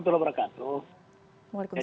assalamualaikum wr wb